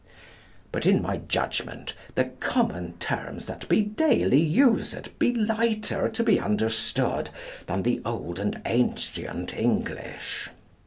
But in my judgment the common terms that be daily used be lighter to be understood than the old and ancient English.